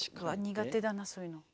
苦手だなそういうの。